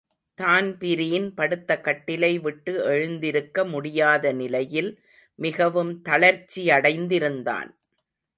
Dan Breen படுத்த கட்டிலை விட்டு எழுந்திருக்க முடியாத நிலையில் மிகவும் தளர்ச்சியடைந்திருந்தான்.